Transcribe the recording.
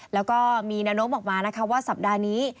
แล้วก็มีแนวโน้มออกมานะคะว่าสัปดาห์นี้